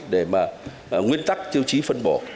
để mà nguyên tắc tiêu chí phân bổ